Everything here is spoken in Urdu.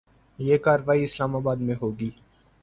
یہ کارروائی اسلام آباد میں ہو گی۔